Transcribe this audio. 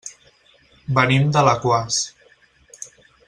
Venim d'Alaquàs.